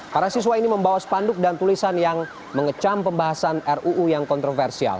para siswa ini membawa spanduk dan tulisan yang mengecam pembahasan ruu yang kontroversial